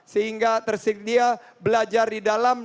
sehingga tersedia belajar di dalam